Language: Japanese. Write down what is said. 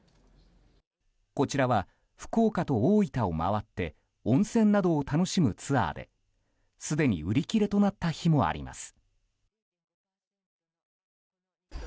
こちらは福岡と大分を回って温泉などを楽しむツアーですでに売り切れとなった日もあります。